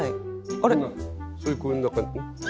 あれ？